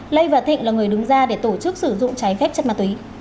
lê và thịnh là người đứng ra để tổ chức sử dụng trái phép chất ma túy